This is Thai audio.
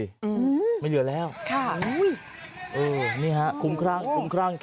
อืมไม่เหลือแล้วค่ะอุ้ยเออนี่ฮะคุ้มครั่งคุ้มครั่ง